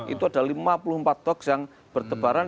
itu ada lima puluh empat toks yang berdebaran